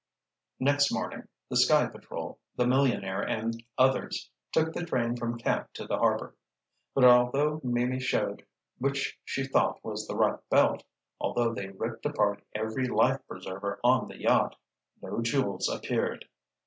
Next morning the Sky Patrol, the millionaire and others took the train from camp to the harbor. But although Mimi showed which she thought was the right belt—although they ripped apart every life preserver on the yacht—no jewels appeared.